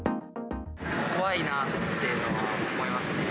怖いなあっていうのは思いますね。